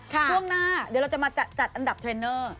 ช่วงหน้าเดี๋ยวเราจะมาจัดอันดับเทรนเนอร์